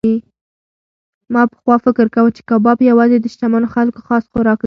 ما پخوا فکر کاوه چې کباب یوازې د شتمنو خلکو خاص خوراک دی.